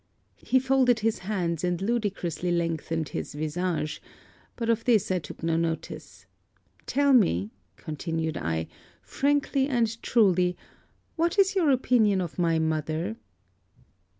He folded his hands and ludicrously lengthened his visage; but of this I took no notice. 'Tell me,' continued I, 'frankly and truly, what is your opinion of my mother?'